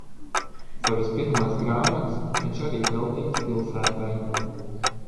Savas pirmās grāmatas viņš arī veltījis pilsētai.